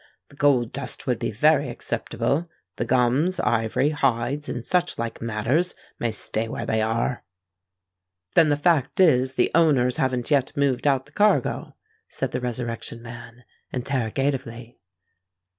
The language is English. The gold dust would be very acceptable; the gums, ivory, hides, and such like matters, may stay where they are." "Then the fact is the owners haven't yet moved out the cargo?" said the Resurrection Man, interrogatively.